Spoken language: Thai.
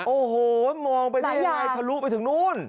โอ้โหมองไปได้ทะลุไปถึงนู่น